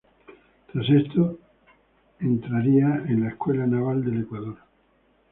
Tras esto, entraría a la Escuela Naval del Ecuador.